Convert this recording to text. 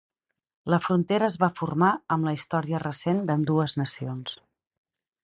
La frontera es va formar amb la història recent d'ambdues nacions.